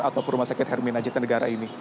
ataupun rumah sakit hermina jatah negara ini